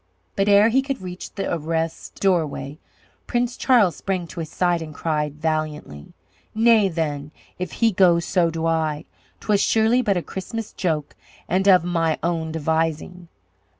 But ere he could reach the arrased doorway, Prince Charles sprang to his side and cried, valiantly: "Nay then, if he goes so do I! 'Twas surely but a Christmas joke and of my own devising.